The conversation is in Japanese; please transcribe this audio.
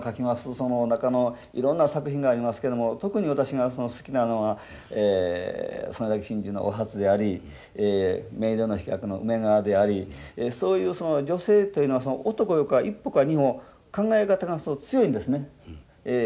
その中のいろんな作品がありますけれども特に私が好きなのは「曾根崎心中」のお初であり「冥土の飛脚」の梅川でありそういう女性というのは男よりかは一歩か二歩考え方が強いんですね。